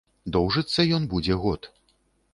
Доўжыцца ён будзе год.